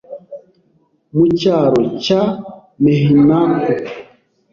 Mu cyaro cya Mehinaku,